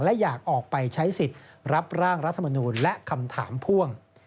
และอยากออกไปใช้สิทธิ์รับร่างรัฐมนูลและคำถามพ่วง